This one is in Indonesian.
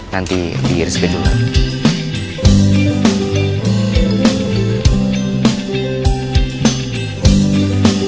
nanti direske dulu